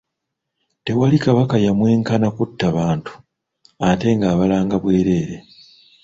Tewali Kabaka yamwe-nkana kutta bantu, ate ng'abalanga bwereere.